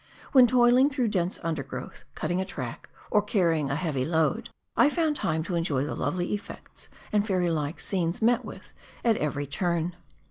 When toiling through dense undergrowth, cutting a track, or carrying a heavy load, I found time to enjoy the lovely effects and fairy like scenes met with at every turn.